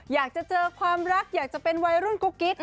อยากจะเจอความรักอยากจะเป็นวัยรุ่นกุ๊กกิ๊ก